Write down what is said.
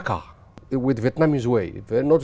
phá là việt nam nhưng nó cũng rất tốt